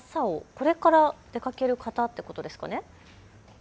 これから出かける方ってことですかね。